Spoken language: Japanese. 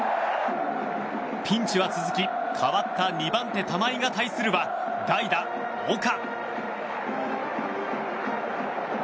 ピンチは続き、代わった２番手玉井が対するは代打、岡。